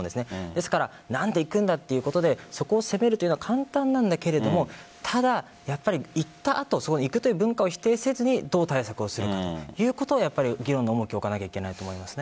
だから何で行くんだということでそこを責めるのは簡単なんだけれどもただやっぱり行った後そこに行くという文化を否定せずどう対策をするかということをやっぱり議論に重きを置かなければいけないと思います。